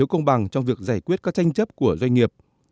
nó cũng không bằng trong việc giải quyết các tranh chấp của doanh nghiệp